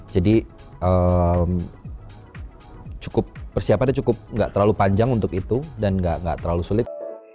jadi persiapan itu cukup nggak terlalu panjang untuk itu dan nggak terlalu sulit